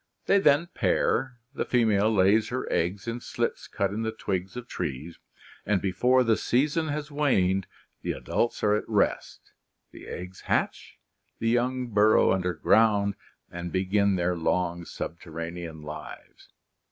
They then pair, the female lays her eggs in slits cut in the twigs of trees, and before the season has waned the adults are at rest, the eggs hatch, the young burrow underground and begin their long subterranean lives.